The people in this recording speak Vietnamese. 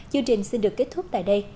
chương trình xin được kết thúc tại đây